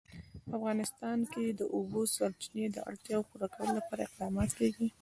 په افغانستان کې د د اوبو سرچینې د اړتیاوو پوره کولو لپاره اقدامات کېږي.